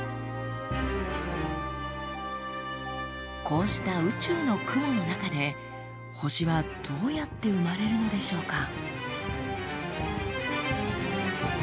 こうした宇宙の雲の中で星はどうやって生まれるのでしょうか？